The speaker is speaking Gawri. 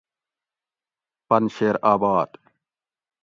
پن شیر آباد